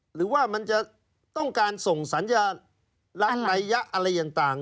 หรือว่ามันจะต้องการส่งสัญญายะอะไรอย่างต่าง